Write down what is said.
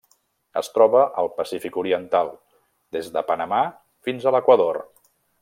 Es troba al Pacífic oriental: des de Panamà fins a l'Equador.